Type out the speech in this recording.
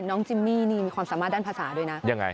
น้องจิมมี่นี่มีความสามารถด้านภาษาด้วยนะ